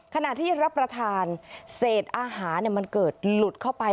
ขณะที่รับประทานเศษอาหารมันเกิดหลุดเข้าไป